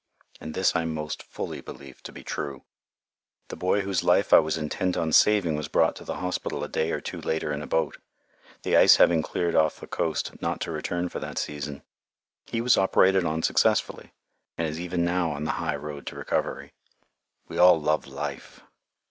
And this I most fully believe to be true. The boy whose life I was intent on saving was brought to the hospital a day or two later in a boat, the ice having cleared off the coast not to return for that season. He was operated on successfully, and is even now on the high road to recovery. We all love life.